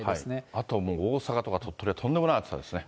あともう、大阪とか鳥取はとんでもない暑さですね。